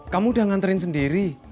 kamu udah nganterin sendiri